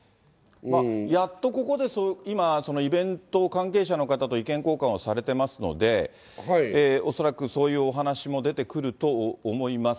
やっとここで、今、イベント関係者の方と意見交換をされてますので、恐らくそういうお話も出てくると思います。